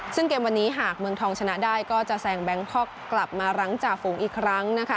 ซึ่งเกมวันนี้หากเมืองทองชนะได้ก็จะแซงแบงคอกกลับมารั้งจ่าฝูงอีกครั้งนะคะ